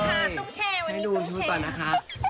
เดี๋ยวชูต่อน่ะนะคะ